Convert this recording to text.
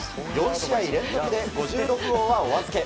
４試合連続で５６号はおあずけ。